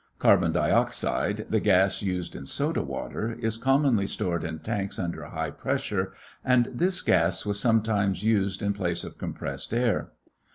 Carbon dioxide, the gas used in soda water, is commonly stored in tanks under high pressure and this gas was sometimes used in place of compressed air.